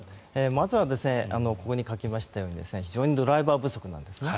まずはここに書きましたように非常にドライバー不足なんですね。